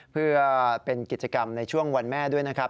เพื่อเป็นกิจกรรมในช่วงวันแม่ด้วยนะครับ